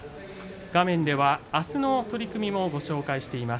画面では、あすの取組もご紹介しています。